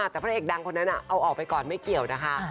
แต่พระเอกดังคนนั้นเอาออกไปก่อนไม่เกี่ยวนะคะ